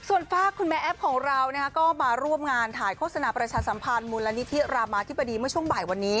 ส่วนฝากคุณแม่แอฟของเราก็มาร่วมงานถ่ายโฆษณาประชาสัมพันธ์มูลนิธิรามาธิบดีเมื่อช่วงบ่ายวันนี้